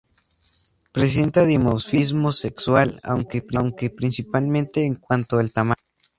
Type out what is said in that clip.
Presenta dimorfismo sexual, aunque principalmente en cuanto al tamaño.